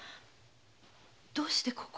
どうしてここへ？